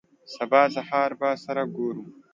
سبا سهار به سره ګورو.